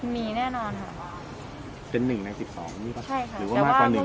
มีแน่นอนค่ะเป็นหนึ่งในสิบสองใช่ค่ะหรือว่ามากกว่าหนึ่ง